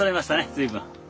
随分。